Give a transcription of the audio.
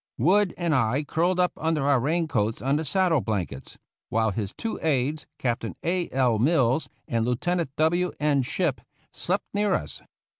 Wood and I curled up under our rain coats on the saddle blankets, while his two aides, Captain A. L. Mills and Lieutenant W. E. Shipp, slept near us.